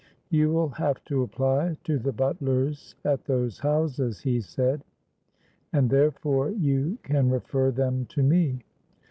'You will have to apply to the butlers at those houses,' he said, 'and therefore you can refer them to me.